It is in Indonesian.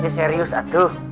iya serius aduh